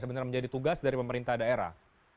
sebenarnya menjadi tugas dari pemerintah daerah